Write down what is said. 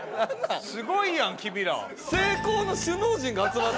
すごいやん君ら。